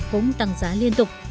cũng tăng giá liên tục